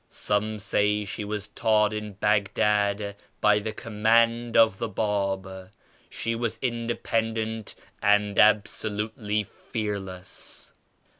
Some say she was taught in Bagh dad by the command of the Bab. She was in dependent and absolutely fearless.